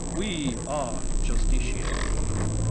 We are justiciary!